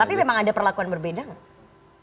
tapi memang ada perlakuan berbeda nggak